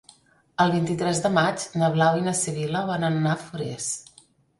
El vint-i-tres de maig na Blau i na Sibil·la volen anar a Forès.